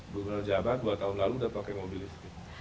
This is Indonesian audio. gua benar jawab dua tahun lalu udah pakai mobilistik